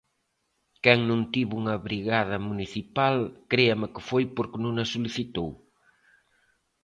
Quen non tivo unha brigada municipal, créame que foi porque non a solicitou.